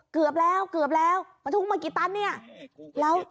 กระบะขันนิดเดียว